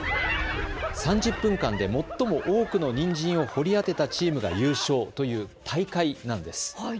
３０分間で最も多くのにんじんを掘り当てたチームが優勝という大会なんです。